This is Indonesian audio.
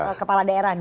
pemilihan kepala daerah